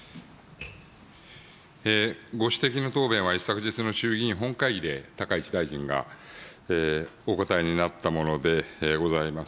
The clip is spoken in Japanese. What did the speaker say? ご指摘の答弁は一昨日の衆議院本会議で、高市大臣がお答えになったものでございます。